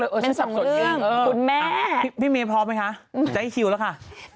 ลาเมย์ไม่เล่าดูค่ะ